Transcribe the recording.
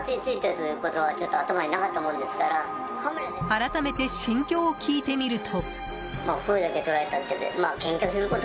改めて心境を聞いてみると。